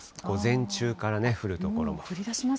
午前中から降る所も。